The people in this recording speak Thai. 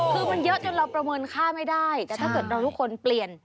คือมันเยอะจนเราประเมินค่าไม่ได้แต่ถ้าเกิดเราทุกคนเปลี่ยน